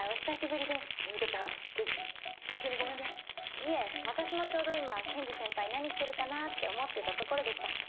いえ私もちょうど今ケンジ先輩何してるかなって思ってたところでした。